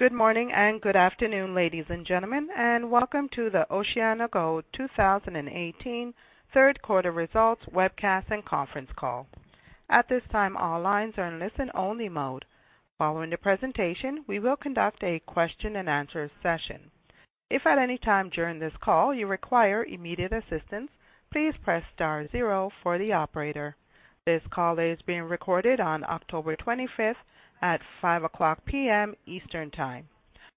Good morning and good afternoon, ladies and gentlemen, and welcome to the OceanaGold 2018 third quarter results webcast and conference call. At this time, all lines are in listen only mode. Following the presentation, we will conduct a question and answer session. If at any time during this call you require immediate assistance, please press star zero for the operator. This call is being recorded on October 25th at 5:00 P.M. Eastern Time.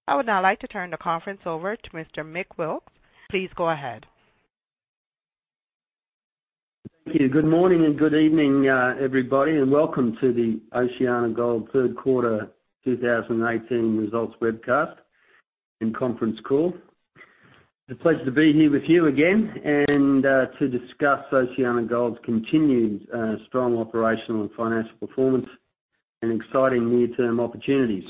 I would now like to turn the conference over to Mr. Mick Wilkes. Please go ahead. Thank you. Good morning and good evening, everybody, and welcome to the OceanaGold third quarter 2018 results webcast and conference call. It's a pleasure to be here with you again to discuss OceanaGold's continued strong operational and financial performance and exciting near-term opportunities.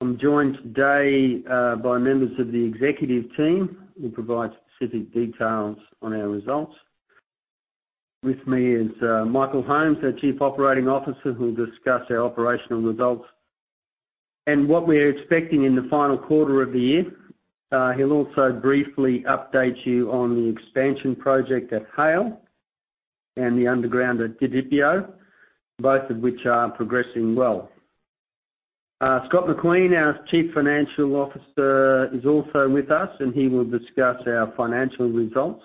I'm joined today by members of the executive team who will provide specific details on our results. With me is Michael Holmes, our Chief Operating Officer, who will discuss our operational results and what we're expecting in the final quarter of the year. He'll also briefly update you on the expansion project at Haile and the underground at Didipio, both of which are progressing well. Scott McQueen, our Chief Financial Officer, is also with us, and he will discuss our financial results.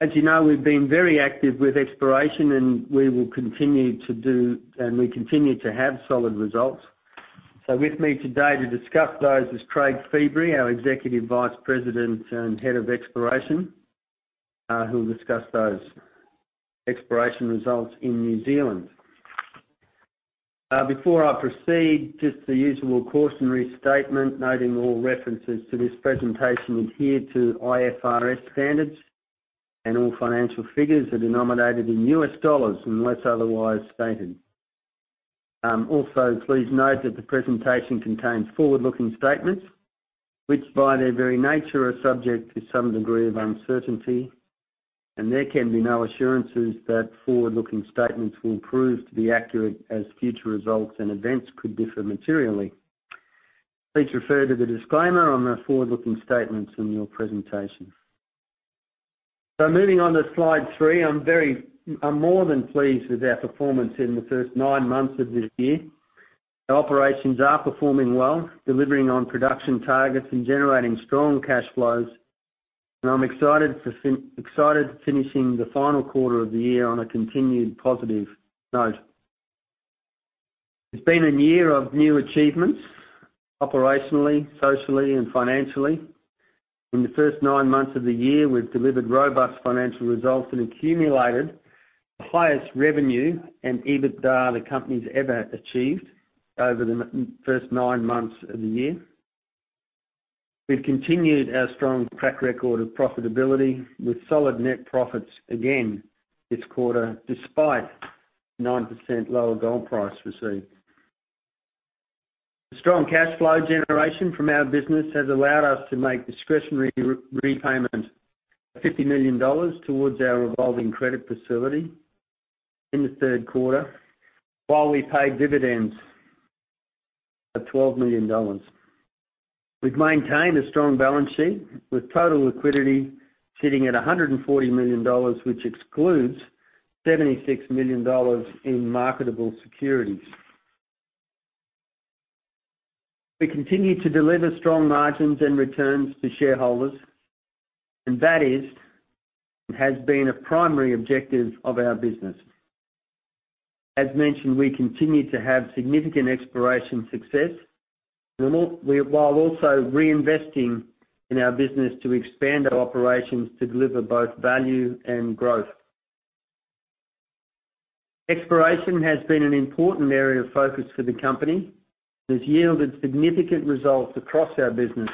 As you know, we've been very active with exploration, and we continue to have solid results. With me today to discuss those is Craig Feebrey, our Executive Vice President and head of exploration, who will discuss those exploration results in New Zealand. Before I proceed, just the usual cautionary statement noting all references to this presentation adhere to IFRS standards, and all financial figures are denominated in U.S. dollars unless otherwise stated. Please note that the presentation contains forward-looking statements, which by their very nature are subject to some degree of uncertainty, and there can be no assurances that forward-looking statements will prove to be accurate, as future results and events could differ materially. Please refer to the disclaimer on the forward-looking statements in your presentation. Moving on to slide three. I'm more than pleased with our performance in the first nine months of this year. Our operations are performing well, delivering on production targets and generating strong cash flows. I'm excited finishing the final quarter of the year on a continued positive note. It's been a year of new achievements operationally, socially, and financially. In the first nine months of the year, we've delivered robust financial results and accumulated the highest revenue and EBITDA the company's ever achieved over the first nine months of the year. We've continued our strong track record of profitability with solid net profits again this quarter, despite 9% lower gold price received. The strong cash flow generation from our business has allowed us to make discretionary repayment of $50 million towards our revolving credit facility in the third quarter, while we paid dividends of $12 million. We've maintained a strong balance sheet with total liquidity sitting at $140 million, which excludes $76 million in marketable securities. We continue to deliver strong margins and returns to shareholders, and that is and has been a primary objective of our business. As mentioned, we continue to have significant exploration success while also reinvesting in our business to expand our operations to deliver both value and growth. Exploration has been an important area of focus for the company that's yielded significant results across our business.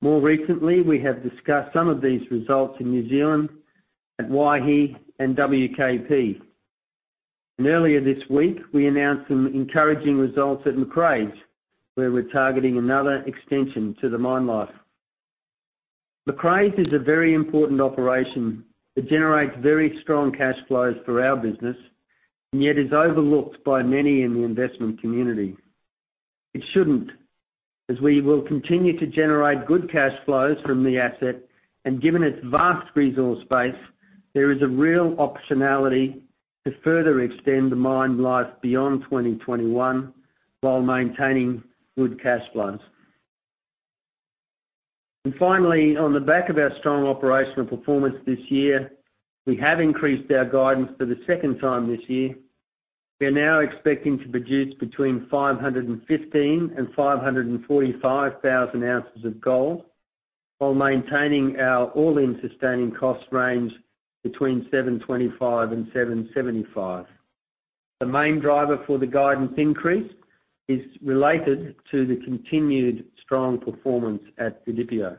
More recently, we have discussed some of these results in New Zealand at Waihi and WKP. Earlier this week, we announced some encouraging results at Macraes, where we're targeting another extension to the mine life. Macraes is a very important operation. It generates very strong cash flows for our business and yet is overlooked by many in the investment community. It shouldn't, as we will continue to generate good cash flows from the asset, and given its vast resource base, there is a real optionality to further extend the mine life beyond 2021 while maintaining good cash flows. Finally, on the back of our strong operational performance this year, we have increased our guidance for the second time this year. We are now expecting to produce between 515,000 and 545,000 ounces of gold while maintaining our All-In Sustaining Cost range between $725 and $775. The main driver for the guidance increase is related to the continued strong performance at Didipio.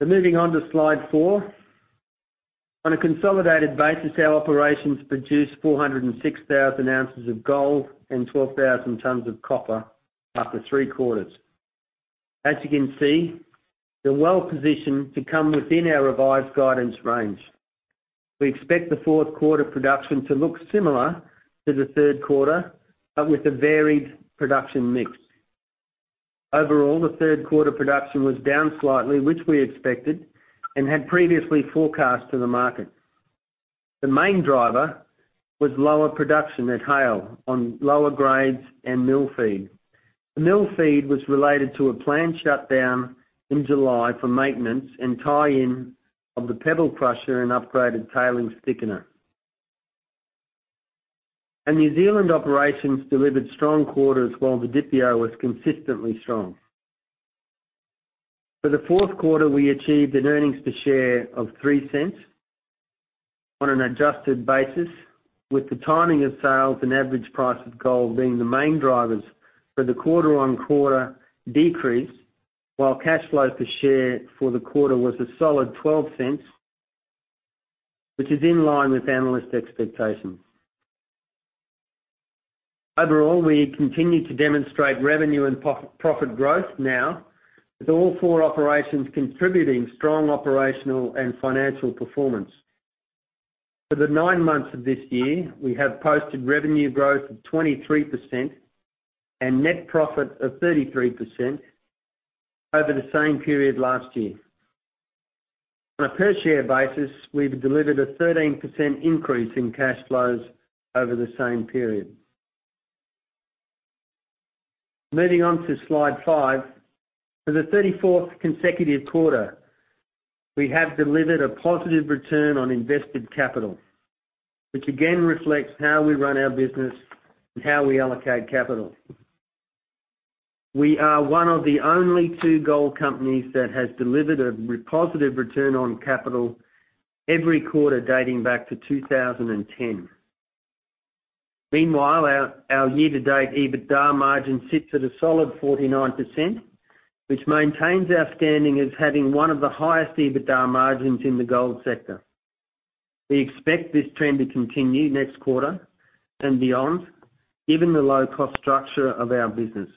Moving on to slide four. On a consolidated basis, our operations produced 406,000 ounces of gold and 12,000 tonnes of copper after three quarters. As you can see, we're well-positioned to come within our revised guidance range. We expect the fourth quarter production to look similar to the third quarter, but with a varied production mix. Overall, the third quarter production was down slightly, which we expected, and had previously forecast to the market. The main driver was lower production at Haile on lower grades and mill feed. The mill feed was related to a planned shutdown in July for maintenance and tie-in of the pebble crusher and upgraded tailings thickener. Our New Zealand operations delivered strong quarters, while Didipio was consistently strong. For the fourth quarter, we achieved an earnings per share of $0.03 on an adjusted basis, with the timing of sales and average price of gold being the main drivers for the quarter-on-quarter decrease, while cash flow per share for the quarter was a solid $0.12, which is in line with analyst expectations. Overall, we continue to demonstrate revenue and profit growth now, with all four operations contributing strong operational and financial performance. For the nine months of this year, we have posted revenue growth of 23% and net profit of 33% over the same period last year. On a per-share basis, we've delivered a 13% increase in cash flows over the same period. Moving on to slide five. For the 34th consecutive quarter, we have delivered a positive return on invested capital, which again reflects how we run our business and how we allocate capital. We are one of the only two gold companies that has delivered a positive return on capital every quarter dating back to 2010. Meanwhile, our year-to-date EBITDA margin sits at a solid 49%, which maintains our standing as having one of the highest EBITDA margins in the gold sector. We expect this trend to continue next quarter and beyond, given the low cost structure of our business.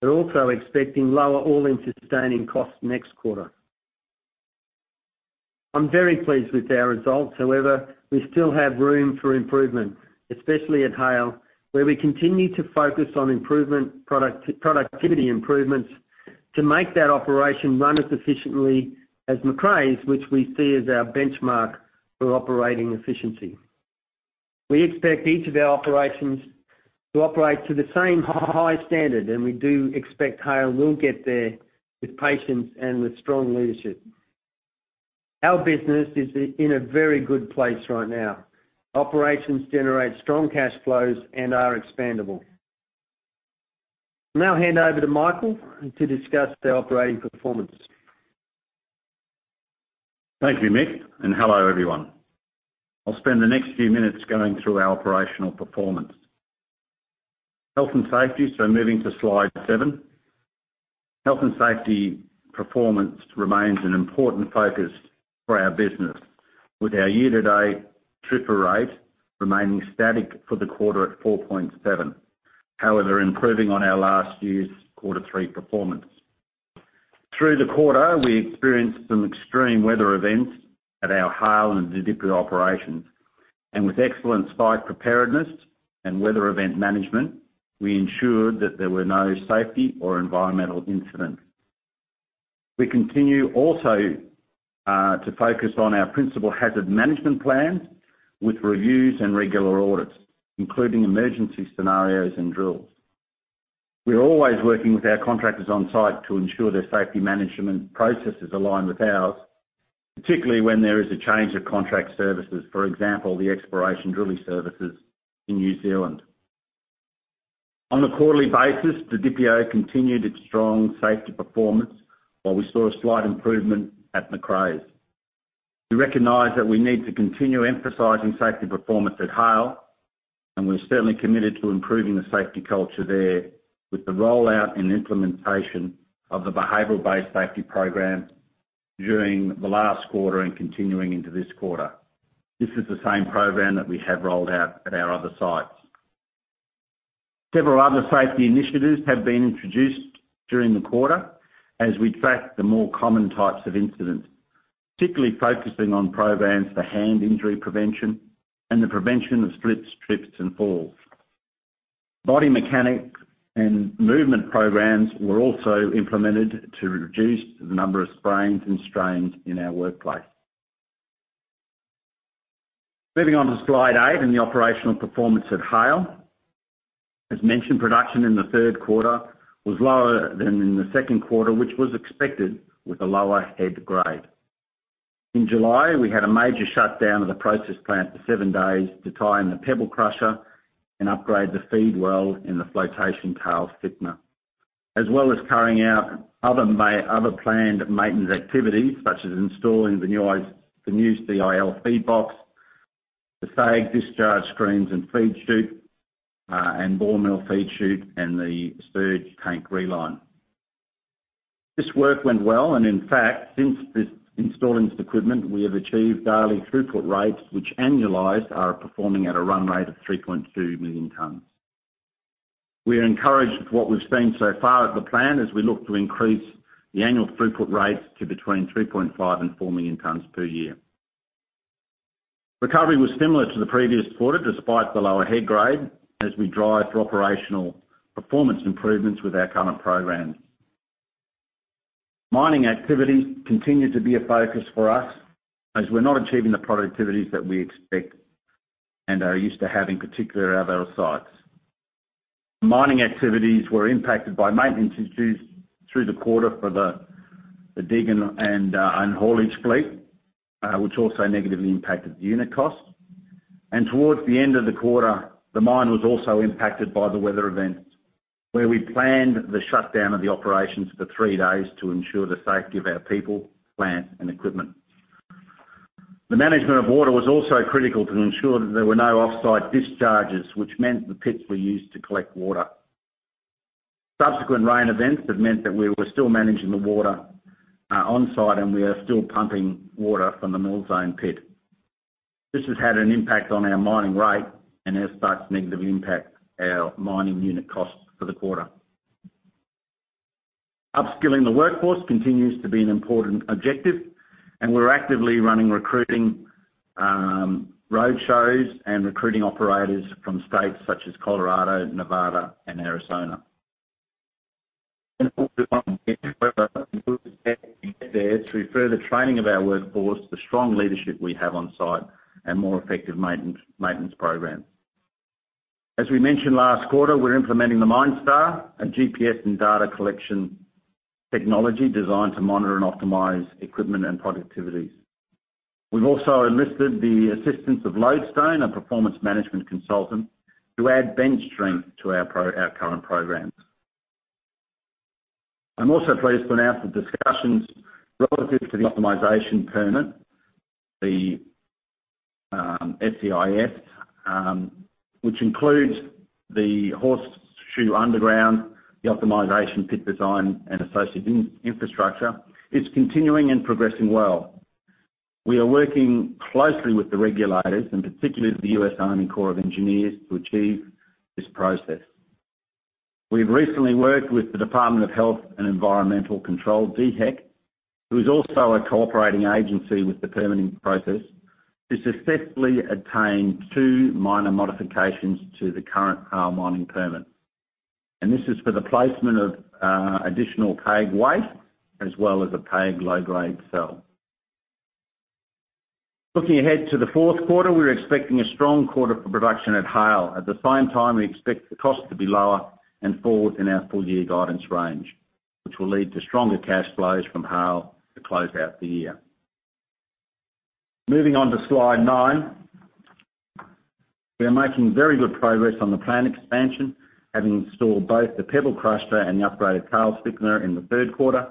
We're also expecting lower All-In Sustaining Cost next quarter. I'm very pleased with our results. However, we still have room for improvement, especially at Haile, where we continue to focus on productivity improvements to make that operation run as efficiently as Macraes, which we see as our benchmark for operating efficiency. We expect each of our operations to operate to the same high standard, and we do expect Haile will get there with patience and with strong leadership. Our business is in a very good place right now. Operations generate strong cash flows and are expandable. I'll now hand over to Michael to discuss the operating performance. Thank you, Mick, and hello, everyone. I'll spend the next few minutes going through our operational performance. Health and safety, moving to slide seven. Health and safety performance remains an important focus for our business, with our year-to-date TRIFR remaining static for the quarter at 4.7, however, improving on our last year's quarter three performance. Through the quarter, we experienced some extreme weather events at our Haile and Didipio operations, and with excellent site preparedness and weather event management, we ensured that there were no safety or environmental incidents. We continue also to focus on our principal hazard management plans with reviews and regular audits, including emergency scenarios and drills. We're always working with our contractors on-site to ensure their safety management processes align with ours, particularly when there is a change of contract services. For example, the exploration drilling services in New Zealand. On a quarterly basis, Didipio continued its strong safety performance while we saw a slight improvement at Macraes. We recognize that we need to continue emphasizing safety performance at Haile, and we're certainly committed to improving the safety culture there with the rollout and implementation of the behavioral-based safety program during the last quarter and continuing into this quarter. This is the same program that we have rolled out at our other sites. Several other safety initiatives have been introduced during the quarter as we track the more common types of incidents, particularly focusing on programs for hand injury prevention and the prevention of slips, trips, and falls. Body mechanic and movement programs were also implemented to reduce the number of sprains and strains in our workplace. Moving on to slide eight and the operational performance at Haile. As mentioned, production in the third quarter was lower than in the second quarter, which was expected with a lower head grade. In July, we had a major shutdown of the process plant for seven days to tie in the pebble crusher and upgrade the feed well in the flotation tail thickener, as well as carrying out other planned maintenance activities, such as installing the new CIL feed box, the SAG discharge screens and feed chute, and ball mill feed chute, and the surge tank reline. This work went well, and in fact, since installing this equipment, we have achieved daily throughput rates, which annualized are performing at a run rate of 3.2 million tons. We are encouraged with what we've seen so far at the plant as we look to increase the annual throughput rates to between 3.5 and 4 million tons per year. Recovery was similar to the previous quarter, despite the lower head grade, as we drive for operational performance improvements with our current programs. Mining activity continued to be a focus for us as we're not achieving the productivities that we expect and are used to having, particularly at our sites. Mining activities were impacted by maintenance issues through the quarter for the dig and haulage fleet, which also negatively impacted the unit cost. Towards the end of the quarter, the mine was also impacted by the weather events, where we planned the shutdown of the operations for three days to ensure the safety of our people, plant, and equipment. The management of water was also critical to ensure that there were no offsite discharges, which meant the pits were used to collect water. Subsequent rain events have meant that we were still managing the water on-site, and we are still pumping water from the Mill Zone pit. This has had an impact on our mining rate and has thus negatively impacted our mining unit costs for the quarter. Upskilling the workforce continues to be an important objective, and we're actively running recruiting roadshows and recruiting operators from states such as Colorado, Nevada, and Arizona. Moving on to slide nine. We are making very good progress on the plant expansion, having installed both the pebble crusher and the upgraded tailings thickener in the third quarter.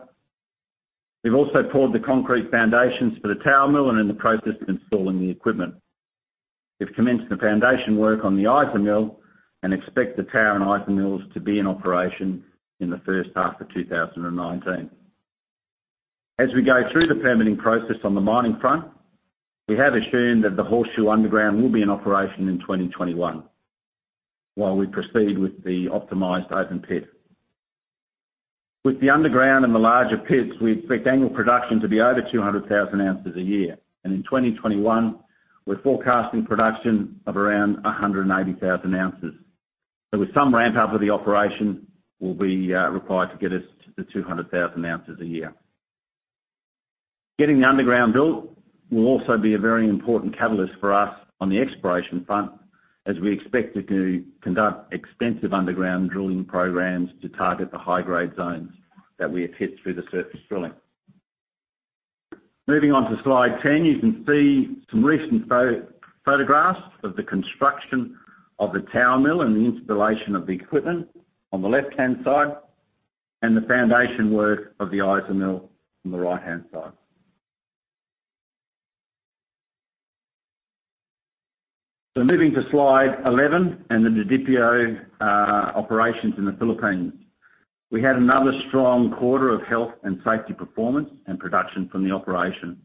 We've also poured the concrete foundations for the tower mill and are in the process of installing the equipment. We've commenced the foundation work on the IsaMill and expect the tower and IsaMills to be in operation in the first half of 2019. As we go through the permitting process on the mining front, we have assumed that the Horseshoe Underground will be in operation in 2021 while we proceed with the optimized open pit. With the underground and the larger pits, we expect annual production to be over 200,000 ounces a year, and in 2021, we're forecasting production of around 180,000 ounces. Some ramp up of the operation will be required to get us to the 200,000 ounces a year. Getting the underground built will also be a very important catalyst for us on the exploration front, as we expect to conduct extensive underground drilling programs to target the high-grade zones that we have hit through the surface drilling. Moving on to slide 10, you can see some recent photographs of the construction of the tower mill and the installation of the equipment on the left-hand side and the foundation work of the IsaMill on the right-hand side. Moving to slide 11 and the Didipio operations in the Philippines. We had another strong quarter of health and safety performance and production from the operation.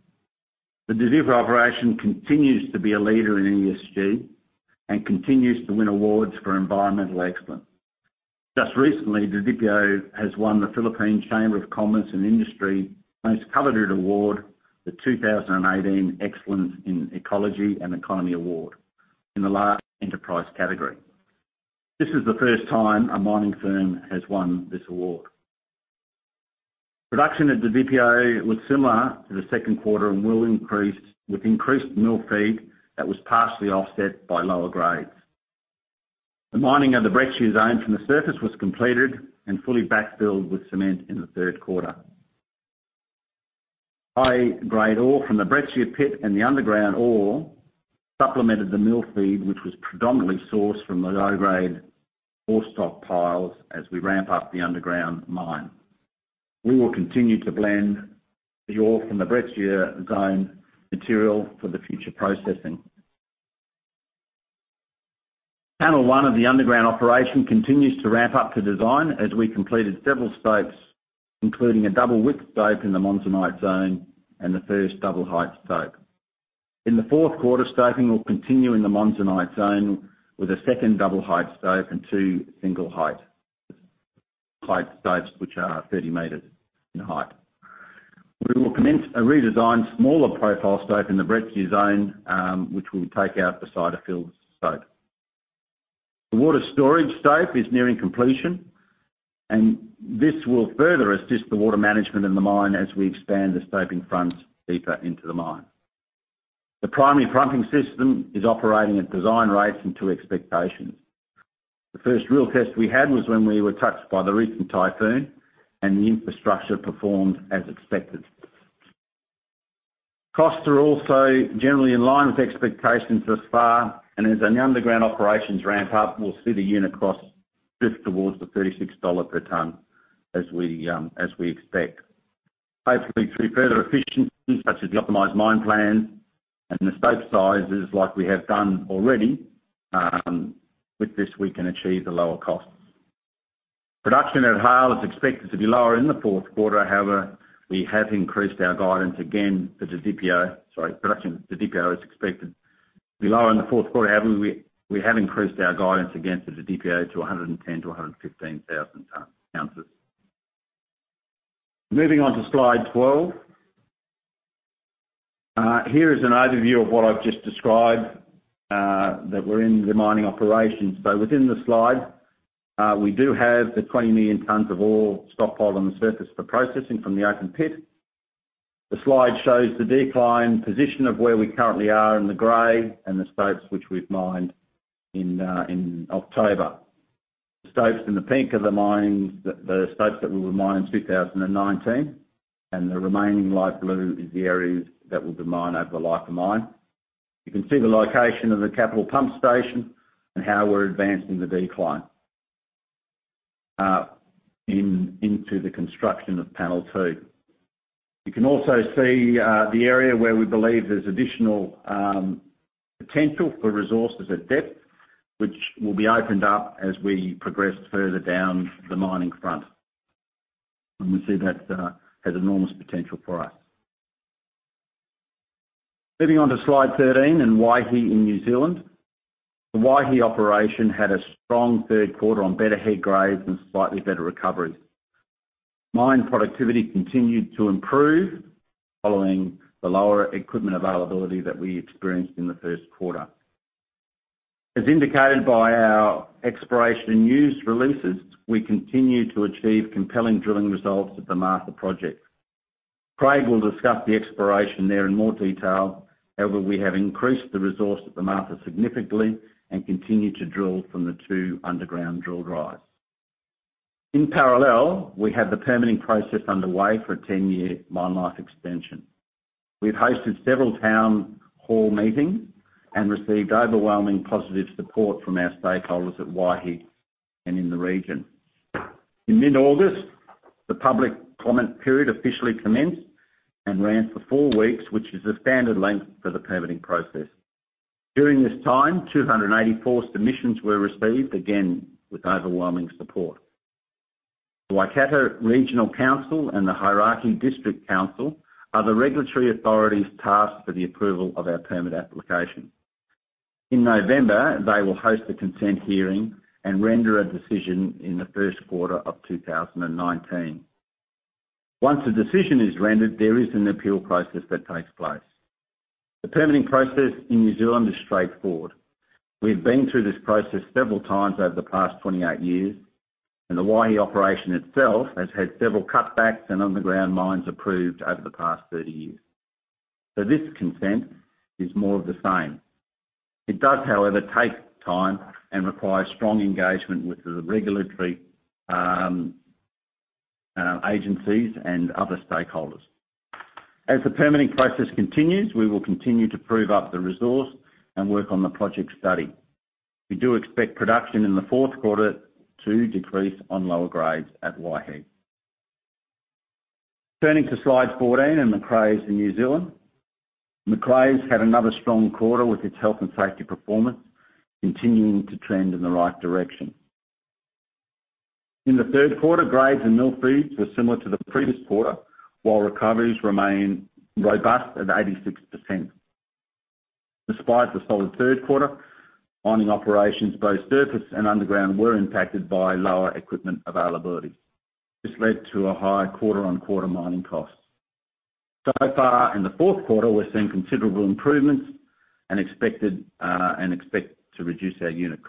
The Didipio operation continues to be a leader in ESG and continues to win awards for environmental excellence. Just recently, Didipio has won the Philippine Chamber of Commerce and Industry most coveted award, the 2018 Excellence in Ecology and Economy Award in the large enterprise category. This is the first time a mining firm has won this award. Production at Didipio was similar to the second quarter and will increase with increased mill feed that was partially offset by lower grades. The mining of the Breccia zone from the surface was completed and fully backfilled with cement in the third quarter. High-grade ore from the Breccia pit and the underground ore supplemented the mill feed, which was predominantly sourced from the low-grade ore stockpiles as we ramp up the underground mine. We will continue to blend the ore from the Breccia zone material for the future processing. Panel one of the underground operation continues to ramp up to design as we completed several stopes, including a double width stope in the monzonite zone and the first double height stope. In the fourth quarter, stoping will continue in the monzonite zone with a second double height stope and two single height stopes, which are 30 meters in height. We will commence a redesigned smaller profile stope in the Breccia zone, which will take out the side of filled stope. The water storage stope is nearing completion. This will further assist the water management in the mine as we expand the stoping fronts deeper into the mine. The primary pumping system is operating at design rates and to expectations. The first real test we had was when we were touched by the recent typhoon. The infrastructure performed as expected. Costs are also generally in line with expectations thus far, and as our underground operations ramp up, we'll see the unit cost drift towards the $36 per tonne, as we expect. Hopefully, through further efficiencies, such as the optimized mine plan and the stope sizes like we have done already, with this we can achieve the lower costs. Production at Haile is expected to be lower in the fourth quarter. However, we have increased our guidance again for the Didipio. Sorry. Production at Didipio is expected below in the fourth quarter. However, we have increased our guidance again for the Didipio to 110,000-115,000 ounces. Moving on to slide 12. Here is an overview of what I've just described, that we're in the mining operations. Within the slide, we do have the 20 million tons of ore stockpile on the surface for processing from the open pit. The slide shows the decline position of where we currently are in the gray and the stopes which we've mined in October. The stopes in the pink are the stopes that we will mine in 2019, and the remaining light blue is the areas that we'll be mining over the life of mine. You can see the location of the capital pump station and how we're advancing the decline into the construction of panel 2. You can also see the area where we believe there's additional potential for resources at depth, which will be opened up as we progress further down the mining front. We see that has enormous potential for us. Moving on to slide 13 and Waihi in New Zealand. The Waihi operation had a strong third quarter on better head grades and slightly better recoveries. Mine productivity continued to improve following the lower equipment availability that we experienced in the first quarter. As indicated by our exploration and news releases, we continue to achieve compelling drilling results at the Martha project. Craig will discuss the exploration there in more detail. However, we have increased the resource at the Martha significantly and continue to drill from the two underground drill drives. In parallel, we have the permitting process underway for a 10-year mine life extension. We've hosted several town hall meetings and received overwhelming positive support from our stakeholders at Waihi and in the region. In mid-August, the public comment period officially commenced and ran for four weeks, which is the standard length for the permitting process. During this time, 284 submissions were received, again, with overwhelming support. The Waikato Regional Council and the Hauraki District Council are the regulatory authorities tasked for the approval of our permit application. In November, they will host a consent hearing and render a decision in the first quarter of 2019. Once a decision is rendered, there is an appeal process that takes place. The permitting process in New Zealand is straightforward. We've been through this process several times over the past 28 years, and the Waihi operation itself has had several cutbacks and underground mines approved over the past 30 years. This consent is more of the same. It does, however, take time and requires strong engagement with the regulatory agencies and other stakeholders. As the permitting process continues, we will continue to prove up the resource and work on the project study. We do expect production in the fourth quarter to decrease on lower grades at Waihi. Turning to slide 14 and Macraes in New Zealand. Macraes had another strong quarter with its health and safety performance continuing to trend in the right direction. In the third quarter, grades and mill feeds were similar to the previous quarter, while recoveries remain robust at 86%. Despite the solid third quarter, mining operations, both surface and underground, were impacted by lower equipment availability. This led to a high quarter-on-quarter mining cost. So far in the fourth quarter, we're seeing considerable improvements and expect to reduce our unit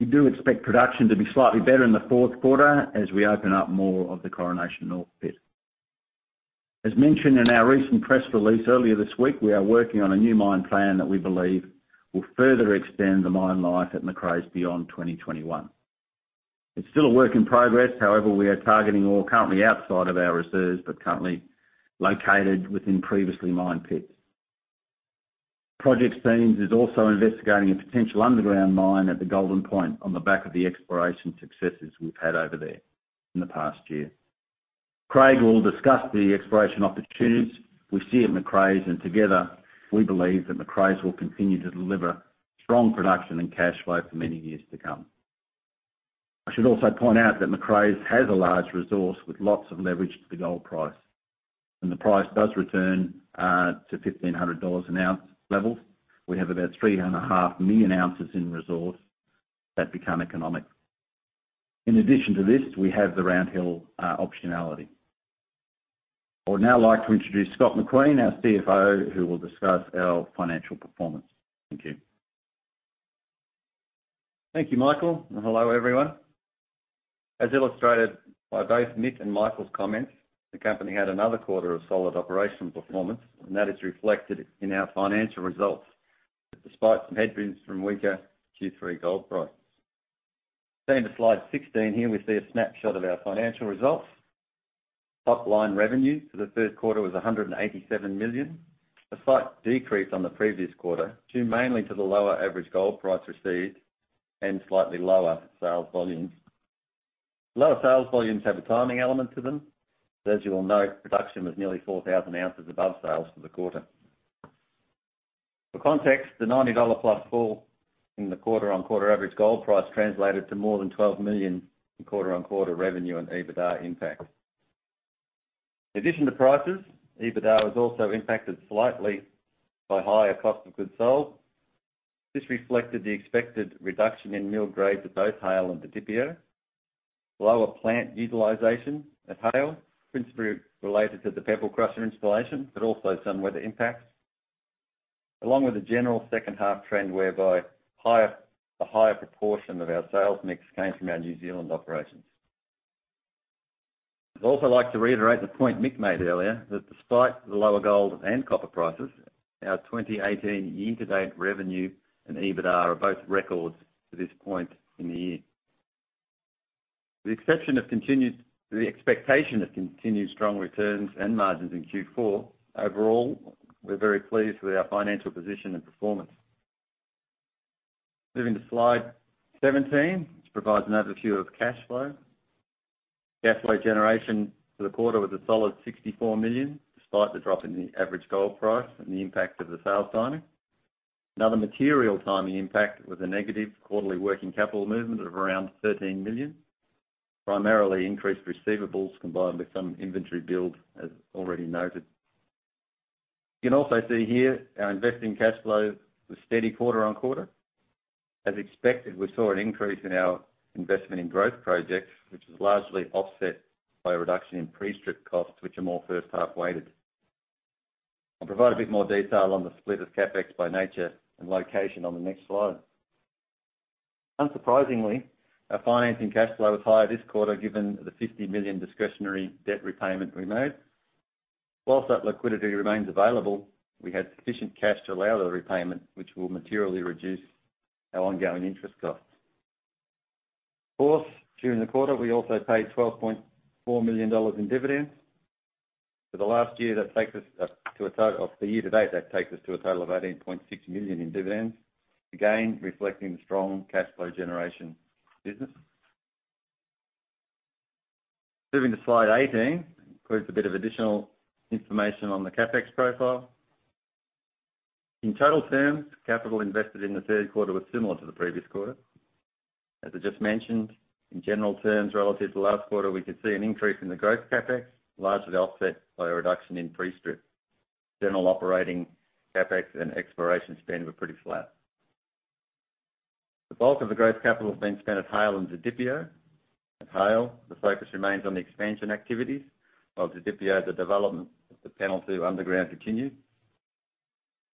cost. We do expect production to be slightly better in the fourth quarter as we open up more of the Coronation North pit. As mentioned in our recent press release earlier this week, we are working on a new mine plan that we believe will further extend the mine life at Macraes beyond 2021. It's still a work in progress. However, we are targeting ore currently outside of our reserves, but currently located within previously mined pits. Project teams is also investigating a potential underground mine at the Golden Point on the back of the exploration successes we've had over there in the past year. Craig will discuss the exploration opportunities we see at Macraes, and together, we believe that Macraes will continue to deliver strong production and cash flow for many years to come. I should also point out that Macraes has a large resource with lots of leverage to the gold price. When the price does return to $1,500 an ounce levels, we have about 3.5 million ounces in resource that become economic. In addition to this, we have the Round Hill optionality. I would now like to introduce Scott McQueen, our CFO, who will discuss our financial performance. Thank you. Thank you, Michael, and hello, everyone. As illustrated by both Mick and Michael's comments, the company had another quarter of solid operational performance, and that is reflected in our financial results, despite some headwinds from weaker Q3 gold prices. Turning to slide 16, here we see a snapshot of our financial results. Top-line revenue for the third quarter was $187 million, a slight decrease on the previous quarter, due mainly to the lower average gold price received and slightly lower sales volumes. Lower sales volumes have a timing element to them. As you all know, production was nearly 4,000 ounces above sales for the quarter. For context, the $90-plus fall in the quarter-on-quarter average gold price translated to more than $12 million in quarter-on-quarter revenue and EBITDA impact. In addition to prices, EBITDA was also impacted slightly by higher cost of goods sold. This reflected the expected reduction in mill grades at both Haile and Didipio, lower plant utilization at Haile, principally related to the pebble crusher installation, but also some weather impacts, along with the general second half trend whereby a higher proportion of our sales mix came from our New Zealand operations. I'd also like to reiterate the point Mick made earlier, that despite the lower gold and copper prices, our 2018 year-to-date revenue and EBITDA are both records to this point in the year. The expectation of continued strong returns and margins in Q4, overall, we're very pleased with our financial position and performance. Moving to slide 17, which provides an overview of cash flow. Cash flow generation for the quarter was a solid $64 million, despite the drop in the average gold price and the impact of the sales timing. Another material timing impact was a negative quarterly working capital movement of around $13 million, primarily increased receivables combined with some inventory build, as already noted. You can also see here our investing cash flow was steady quarter-on-quarter. As expected, we saw an increase in our investment in growth projects, which was largely offset by a reduction in pre-strip costs, which are more first half weighted. I'll provide a bit more detail on the split of CapEx by nature and location on the next slide. Unsurprisingly, our financing cash flow was higher this quarter given the $50 million discretionary debt repayment we made. Whilst that liquidity remains available, we had sufficient cash to allow the repayment, which will materially reduce our ongoing interest costs. Fourth, during the quarter, we also paid $12.4 million in dividends. For year-to-date, that takes us to a total of $18.6 million in dividends, again, reflecting the strong cash flow generation business. Moving to slide 18, includes a bit of additional information on the CapEx profile. In total terms, capital invested in the third quarter was similar to the previous quarter. As I just mentioned, in general terms, relative to last quarter, we could see an increase in the growth CapEx, largely offset by a reduction in pre-strip. General operating CapEx and exploration spend were pretty flat. The bulk of the growth capital has been spent at Haile and Didipio. At Haile, the focus remains on the expansion activities. While Didipio, the development of the Panel 2 underground continued.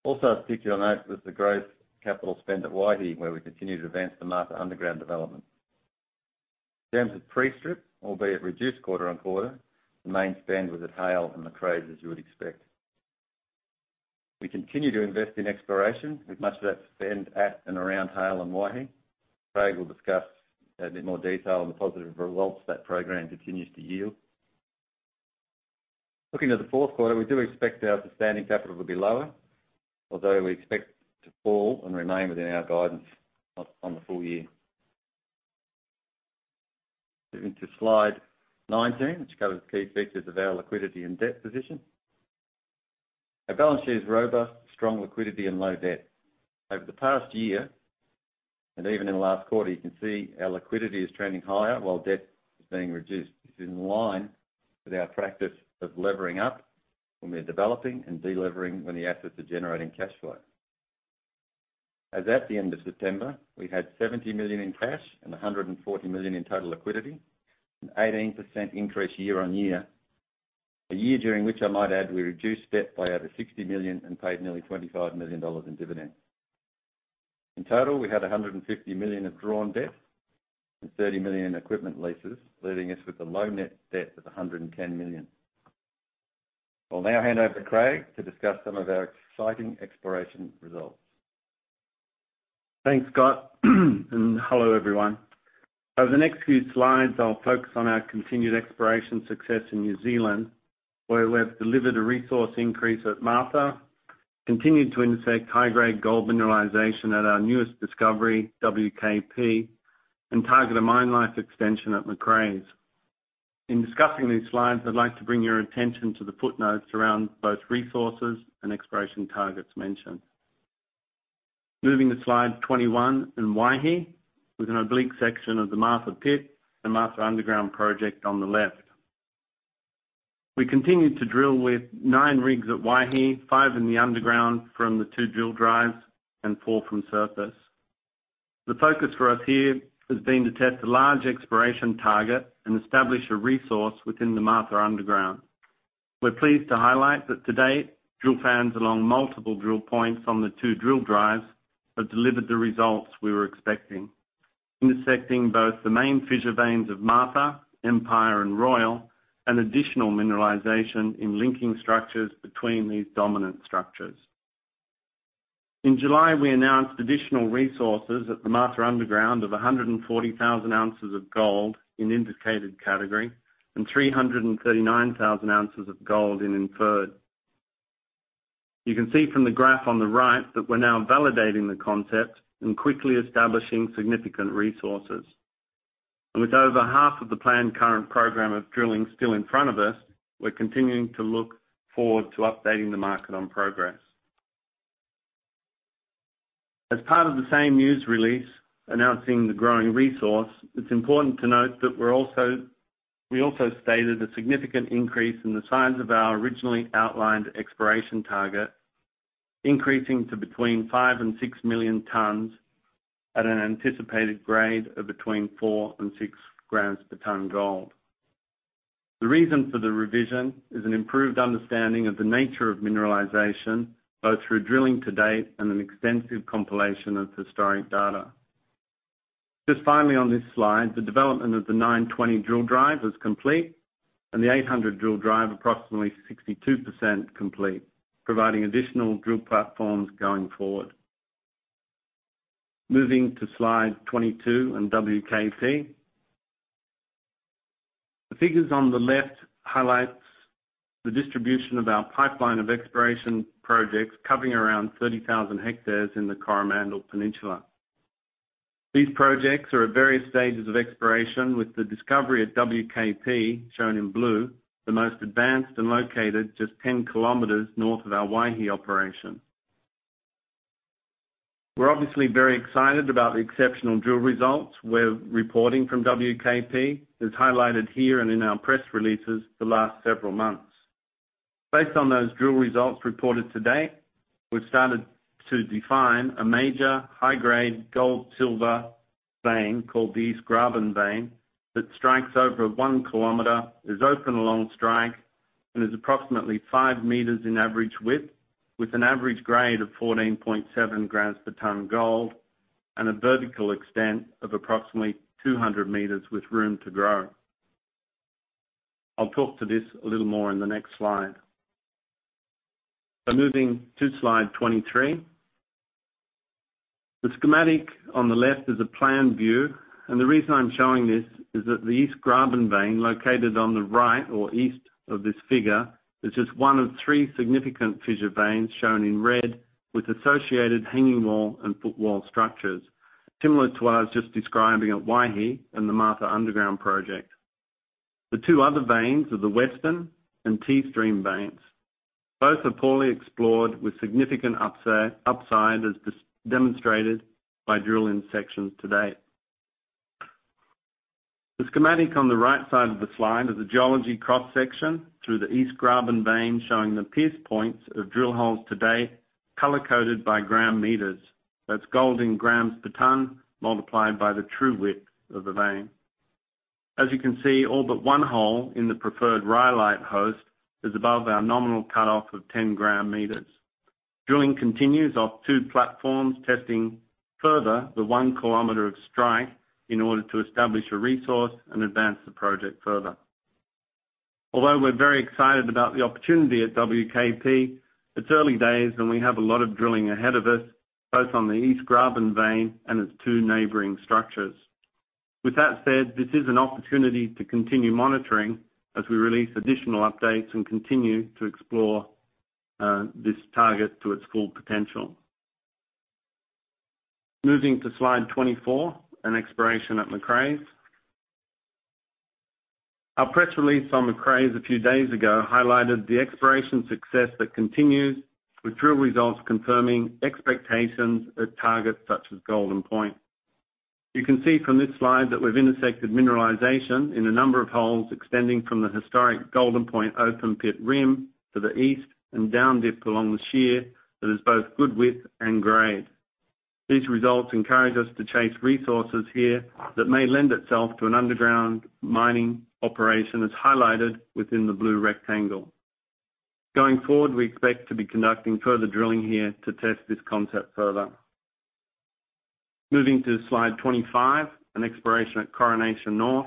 Also of particular note was the growth capital spend at Waihi, where we continue to advance the Martha Underground development. In terms of pre-strip, albeit reduced quarter-on-quarter, the main spend was at Haile and Macraes, as you would expect. We continue to invest in exploration, with much of that spend at and around Haile and Waihi. Craig will discuss a bit more detail on the positive results that program continues to yield. Looking to the fourth quarter, we do expect our sustaining capital to be lower, although we expect to fall and remain within our guidance on the full year. Moving to slide 19, which covers key features of our liquidity and debt position. Our balance sheet is robust, strong liquidity and low debt. Over the past year, and even in the last quarter, you can see our liquidity is trending higher while debt is being reduced. This is in line with our practice of levering up when we're developing and de-levering when the assets are generating cash flow. As at the end of September, we had $70 million in cash and $140 million in total liquidity, an 18% increase year-on-year. A year during which, I might add, we reduced debt by over $60 million and paid nearly $25 million in dividends. In total, we had $150 million of drawn debt and $30 million equipment leases, leaving us with a low net debt of $110 million. I'll now hand over to Craig to discuss some of our exciting exploration results. Thanks, Scott. Hello, everyone. Over the next few slides, I'll focus on our continued exploration success in New Zealand, where we have delivered a resource increase at Martha Continued to intersect high-grade gold mineralization at our newest discovery, WKP, and target a mine life extension at Macraes. In discussing these slides, I'd like to bring your attention to the footnotes around both resources and exploration targets mentioned. Moving to slide 21 in Waihi, with an oblique section of the Martha Pit and Martha Underground project on the left. We continued to drill with nine rigs at Waihi, five in the underground from the two drill drives, and four from surface. The focus for us here has been to test a large exploration target and establish a resource within the Martha Underground. We're pleased to highlight that to date, drill fans along multiple drill points on the two drill drives have delivered the results we were expecting, intersecting both the main fissure veins of Martha, Empire, and Royal, and additional mineralization in linking structures between these dominant structures. In July, we announced additional resources at the Martha Underground of 140,000 ounces of gold in indicated category and 339,000 ounces of gold in inferred. You can see from the graph on the right that we're now validating the concept and quickly establishing significant resources. With over half of the planned current program of drilling still in front of us, we're continuing to look forward to updating the market on progress. As part of the same news release announcing the growing resource, it's important to note that we also stated a significant increase in the size of our originally outlined exploration target, increasing to between 5 million and 6 million tons at an anticipated grade of between 4 and 6 grams per ton gold. The reason for the revision is an improved understanding of the nature of mineralization, both through drilling to date and an extensive compilation of historic data. Just finally on this slide, the development of the 920 drill drive is complete and the 800 drill drive approximately 62% complete, providing additional drill platforms going forward. Moving to slide 22 on WKP. The figures on the left highlights the distribution of our pipeline of exploration projects covering around 30,000 hectares in the Coromandel Peninsula. These projects are at various stages of exploration with the discovery at WKP, shown in blue, the most advanced and located just 10 km north of our Waihi operation. We're obviously very excited about the exceptional drill results we're reporting from WKP, as highlighted here and in our press releases the last several months. Based on those drill results reported to date, we've started to define a major high-grade gold-silver vein called the East Graben vein that strikes over 1 km, is open along strike, and is approximately 5 m in average width with an average grade of 14.7 grams per ton gold and a vertical extent of approximately 200 m with room to grow. I'll talk to this a little more in the next slide. Moving to slide 23. The schematic on the left is a plan view. The reason I'm showing this is that the East Graben vein located on the right or east of this figure is just one of three significant fissure veins shown in red with associated hanging wall and footwall structures, similar to what I was just describing at Waihi and the Martha Underground project. The two other veins are the Western and T-Stream veins. Both are poorly explored with significant upside, as demonstrated by drill intersections to date. The schematic on the right side of the slide is a geology cross-section through the East Graben vein, showing the pierce points of drill holes to date, color-coded by gram meters. That's gold in grams per ton, multiplied by the true width of the vein. As you can see, all but one hole in the preferred rhyolite host is above our nominal cutoff of 10 gram meters. Drilling continues off two platforms, testing further the 1 km of strike in order to establish a resource and advance the project further. Although we're very excited about the opportunity at WKP, it's early days and we have a lot of drilling ahead of us, both on the East Graben vein and its two neighboring structures. With that said, this is an opportunity to continue monitoring as we release additional updates and continue to explore this target to its full potential. Moving to slide 24 on exploration at Macraes. Our press release on Macraes a few days ago highlighted the exploration success that continues with drill results confirming expectations at targets such as Golden Point. You can see from this slide that we've intersected mineralization in a number of holes extending from the historic Golden Point open pit rim to the east and down dip along the shear that is both good width and grade. These results encourage us to chase resources here that may lend itself to an underground mining operation, as highlighted within the blue rectangle. Going forward, we expect to be conducting further drilling here to test this concept further. Moving to slide 25 on exploration at Coronation North.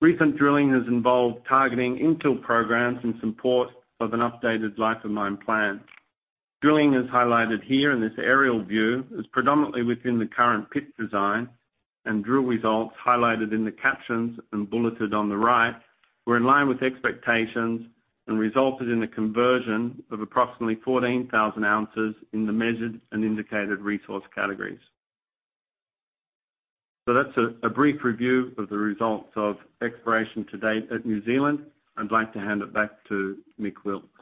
Recent drilling has involved targeting infill programs in support of an updated life-of-mine plan. Drilling is highlighted here in this aerial view. It's predominantly within the current pit design. Drill results highlighted in the captions and bulleted on the right were in line with expectations and resulted in the conversion of approximately 14,000 ounces in the measured and indicated resource categories. That's a brief review of the results of exploration to date at New Zealand. I'd like to hand it back to Mick Wilkes.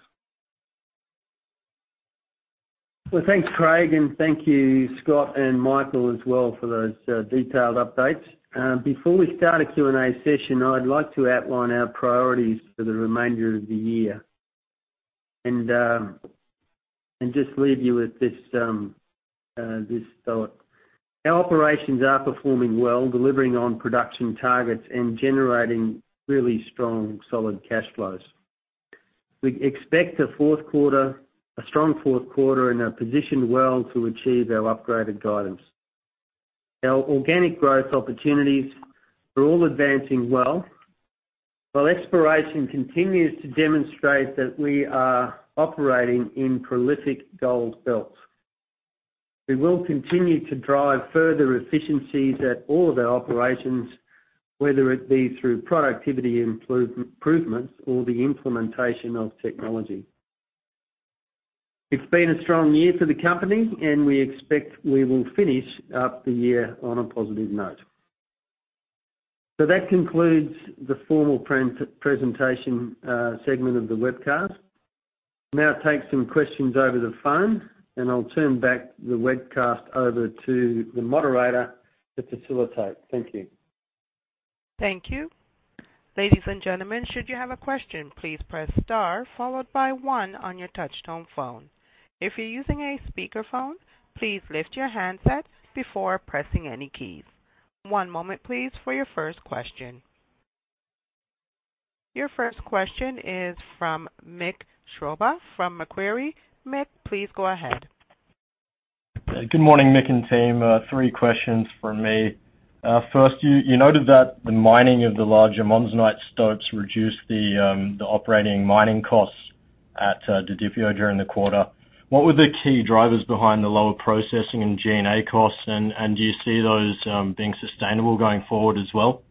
Well, thanks, Craig, and thank you, Scott and Michael as well for those detailed updates. Before we start a Q&A session, I'd like to outline our priorities for the remainder of the year and just leave you with this thought. Our operations are performing well, delivering on production targets and generating really strong, solid cash flows. We expect a strong fourth quarter and are positioned well to achieve our upgraded guidance. Our organic growth opportunities are all advancing well. Exploration continues to demonstrate that we are operating in prolific gold belts. We will continue to drive further efficiencies at all of our operations, whether it be through productivity improvements or the implementation of technology. It's been a strong year for the company, and we expect we will finish up the year on a positive note. That concludes the formal presentation segment of the webcast. I'll now take some questions over the phone, and I'll turn back the webcast over to the moderator to facilitate. Thank you. Thank you. Ladies and gentlemen, should you have a question, please press star followed by one on your touch-tone phone. If you're using a speakerphone, please lift your handset before pressing any keys. One moment, please, for your first question. Your first question is from Michael Schrodbach, from Macquarie. Mick, please go ahead. Good morning, Mick and team. Three questions from me. First, you noted that the mining of the larger monzonite stopes reduced the operating mining costs at Didipio during the quarter. What were the key drivers behind the lower processing and G&A costs, and do you see those being sustainable going forward as well?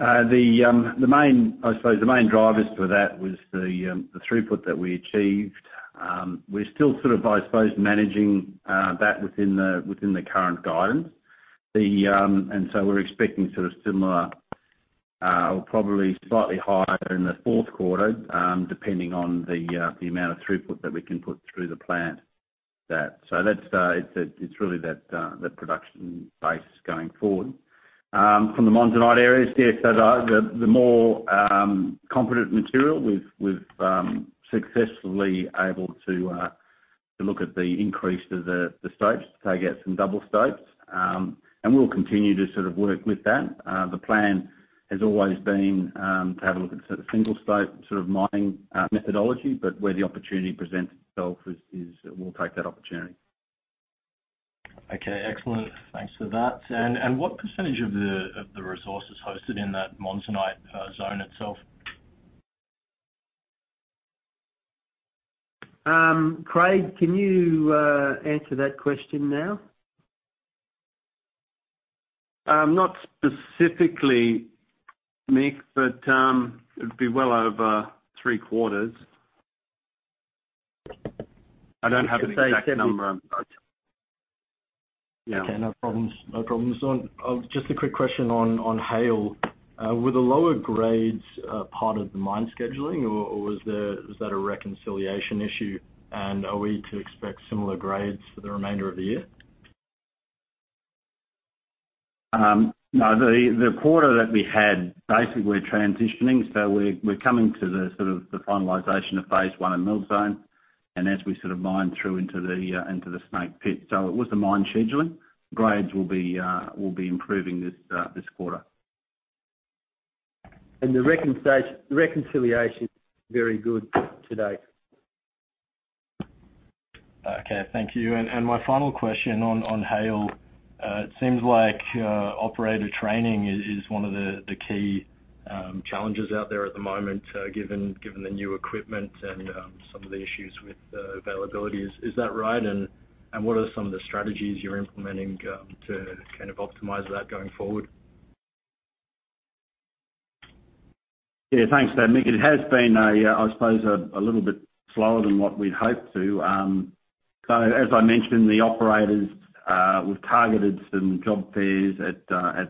I suppose the main drivers for that was the throughput that we achieved. We're still sort of, I suppose, managing that within the current guidance. We're expecting sort of similar, or probably slightly higher in the fourth quarter, depending on the amount of throughput that we can put through the plant. It's really that production base going forward. From the monzonite areas, yes, the more competent material we've successfully able to look at the increase to the stopes to take out some double stopes. We'll continue to sort of work with that. The plan has always been to have a look at the single stope sort of mining methodology, where the opportunity presents itself is we'll take that opportunity. Okay, excellent. Thanks for that. What percentage of the resource is hosted in that monzonite zone itself? Craig, can you answer that question now? Not specifically, Mick. It would be well over three quarters. I don't have an exact number. Okay, no problems. Just a quick question on Haile. Were the lower grades part of the mine scheduling, or was that a reconciliation issue? Are we to expect similar grades for the remainder of the year? No, the quarter that we had, basically, we're transitioning. We're coming to the sort of the finalization of phase 1 in Mill Zone and as we sort of mine through into the Snake Pit. It was the mine scheduling. Grades will be improving this quarter. The reconciliation is very good to date. Okay, thank you. My final question on Haile. It seems like operator training is one of the key challenges out there at the moment, given the new equipment and some of the issues with availability. Is that right? What are some of the strategies you're implementing to kind of optimize that going forward? Yeah, thanks for that, Mick. It has been, I suppose, a little bit slower than what we'd hoped to. As I mentioned, the operators, we've targeted some job fairs at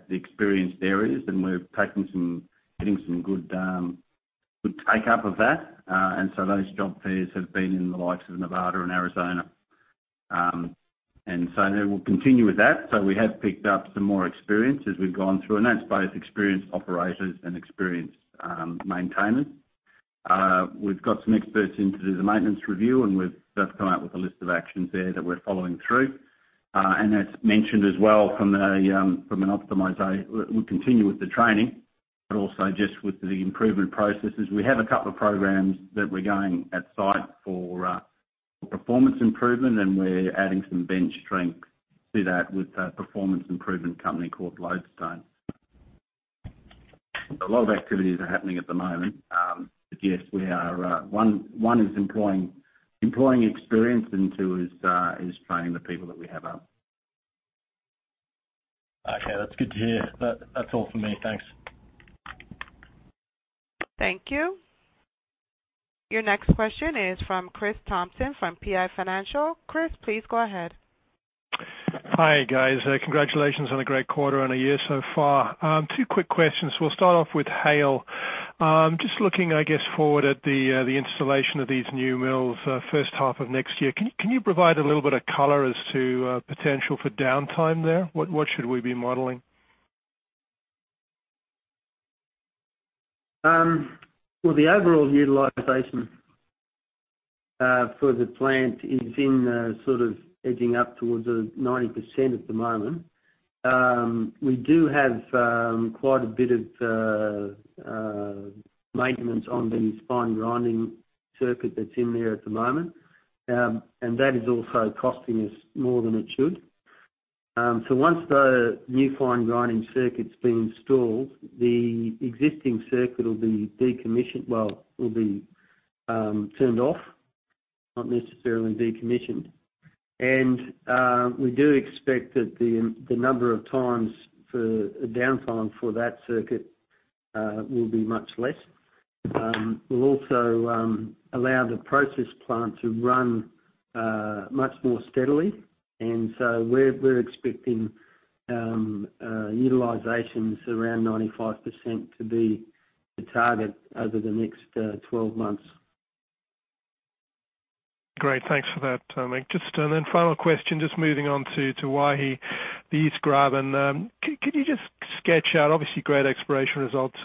the experienced areas, and we're getting some good take-up of that. Those job fairs have been in the likes of Nevada and Arizona. We'll continue with that. We have picked up some more experience as we've gone through, and that's both experienced operators and experienced maintainers. We've got some experts in to do the maintenance review, and we've just come out with a list of actions there that we're following through. As mentioned as well from an optimization. We'll continue with the training, but also just with the improvement processes. We have a couple of programs that we're going at site for performance improvement, and we're adding some bench strength to that with a performance improvement company called Lodestone. A lot of activities are happening at the moment. Yes, one is employing experience, and two is training the people that we have up. Okay, that's good to hear. That's all for me, thanks. Thank you. Your next question is from Chris Thompson from PI Financial. Chris, please go ahead. Hi, guys. Congratulations on a great quarter and a year so far. Two quick questions. We'll start off with Haile. Just looking, I guess, forward at the installation of these new mills first half of next year, can you provide a little bit of color as to potential for downtime there? What should we be modeling? Well, the overall utilization for the plant is edging up towards 90% at the moment. We do have quite a bit of maintenance on the fine grinding circuit that's in there at the moment. That is also costing us more than it should. Once the new fine grinding circuit's been installed, the existing circuit will be turned off, not necessarily decommissioned. We do expect that the number of times for downtime for that circuit will be much less. We'll also allow the process plant to run much more steadily, we're expecting utilizations around 95% to be the target over the next 12 months. Great. Thanks for that, Mick. Final question, just moving on to Waihi, the East Graben. Could you just sketch out, obviously great exploration results.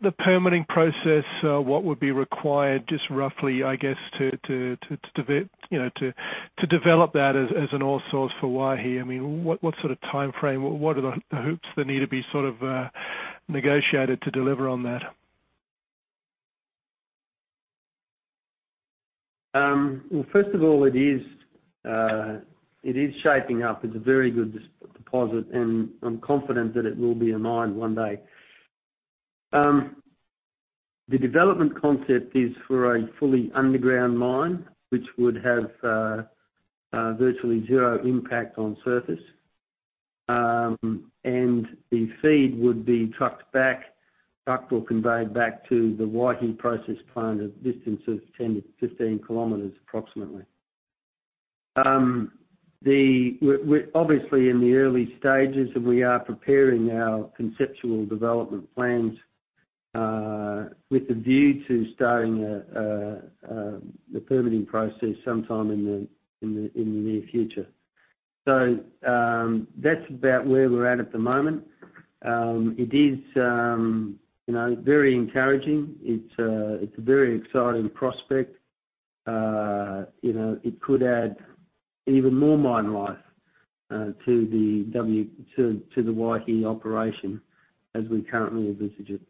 The permitting process, what would be required just roughly, I guess, to develop that as an ore source for Waihi? What sort of timeframe? What are the hoops that need to be negotiated to deliver on that? Well, first of all, it is shaping up. It's a very good deposit, and I'm confident that it will be a mine one day. The development concept is for a fully underground mine, which would have virtually zero impact on surface. The feed would be trucked or conveyed back to the Waihi process plant at distances of 10 to 15 kilometers approximately. We're obviously in the early stages, and we are preparing our conceptual development plans with a view to starting the permitting process sometime in the near future. That's about where we're at at the moment. It is very encouraging. It's a very exciting prospect. It could add even more mine life to the Waihi operation as we currently envisage it.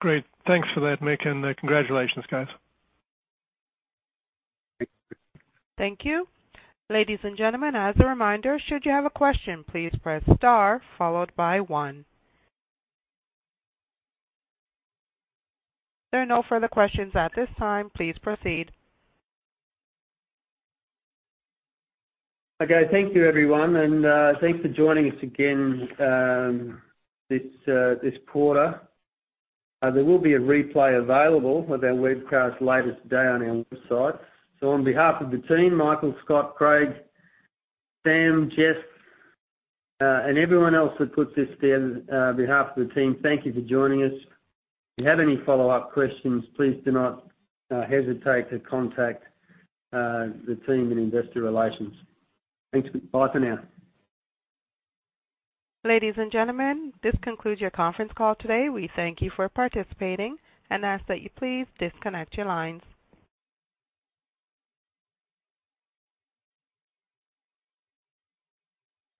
Great. Thanks for that, Mick, and congratulations, guys. Thank you. Ladies and gentlemen, as a reminder, should you have a question, please press star followed by one. There are no further questions at this time. Please proceed. Okay. Thank you, everyone, and thanks for joining us again this quarter. There will be a replay available of our webcast later today on our website. On behalf of the team, Michael, Scott, Craig, Sam, Jess, and everyone else that puts this together, on behalf of the team, thank you for joining us. If you have any follow-up questions, please do not hesitate to contact the team in investor relations. Thanks. Bye for now. Ladies and gentlemen, this concludes your conference call today. We thank you for participating and ask that you please disconnect your lines.